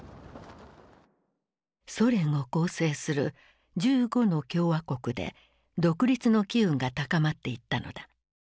ソ連を構成する１５の共和国で独立の機運が高まっていったのだ。